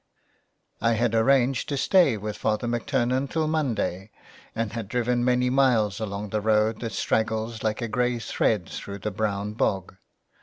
I HAD arranged to stay with Father McTurnan till Monday, and had driven many miles along the road that straggles like a grey thread through the brown bog.